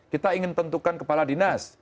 kita ingin tentukan kepala dinas